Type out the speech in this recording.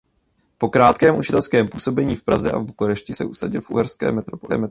Po krátkém učitelském působení v Praze a v Bukurešti se usadil v uherské metropoli.